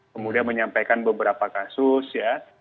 kemudian menyampaikan beberapa kasus ya